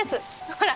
ほら